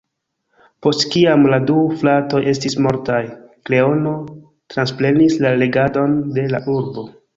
Post kiam la du fratoj estis mortaj, "Kreono" transprenis la regadon de la urbo.